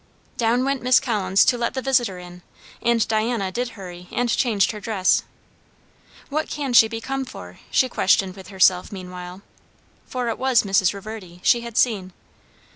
Down went Miss Collins to let the visitor in, and Diana did hurry and changed her dress. What can she be come for? she questioned with herself meanwhile; for it was Mrs. Reverdy, she had seen.